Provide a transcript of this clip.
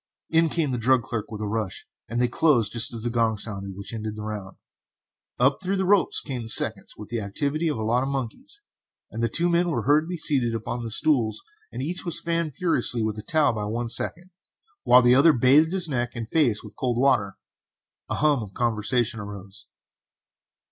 In came the drug clerk with a rush, and they closed just as the gong sounded which ended the round. Up through the ropes came the seconds with the activity of a lot of monkeys, and the two men were hurriedly seated upon stools and each was fanned furiously with a towel by one second, while the other bathed his neck and face with cold water. A hum of conversation arose.